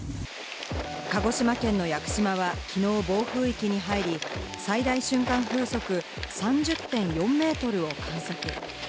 鹿児島県の屋久島はきのう暴風域に入り、最大瞬間風速３０．４メートルを観測。